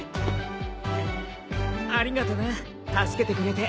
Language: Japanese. ありがとな助けてくれて。